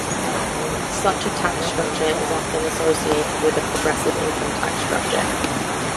Such a tax structure is often associated with a progressive income tax structure.